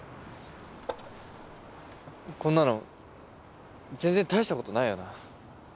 こんなの全然大したことないよな。